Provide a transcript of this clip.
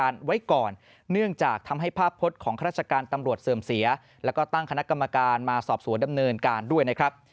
และตั้งกรรมการมาสอบสวนดำเนินการด้วยนะครับ